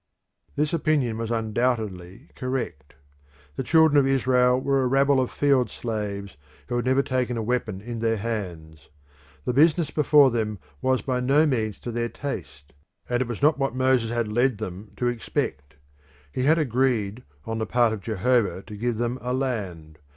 This opinion was undoubtedly correct. The children of Israel were a rabble of field slaves who had never taken a weapon in their hands. The business before them was by no means to their taste, and it was not what Moses had led them to expect. He had agreed on the part of Jehovah to give them a land.